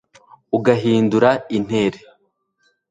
ugahindura intere